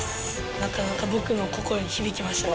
なかなか僕の心に響きましたね。